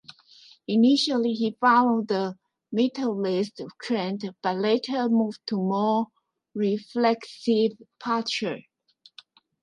Initially, he followed the vitalist trend, but later moved to more reflexive poetry.